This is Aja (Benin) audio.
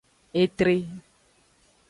Etre.